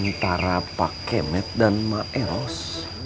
antara pak kemet dan maeros